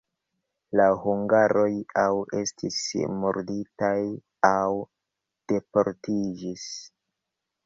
La hungaroj aŭ estis murditaj, aŭ deportiĝis.